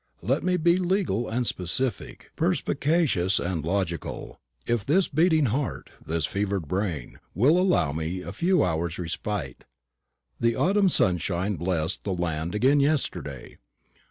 Let me be legal and specific, perspicacious and logical if this beating heart, this fevered brain, will allow me a few hours' respite. The autumn sunshine blessed the land again yesterday.